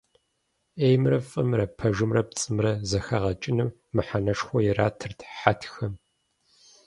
Ӏеймрэ фӏымрэ, пэжымрэ пцӏымрэ зэхэгъэкӏыным мыхьэнэшхуэ иратырт хьэтхэм.